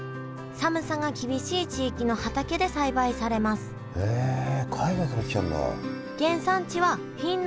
寒さが厳しい地域の畑で栽培されますへえ海外から来てるんだ。